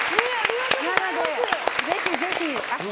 ぜひぜひ。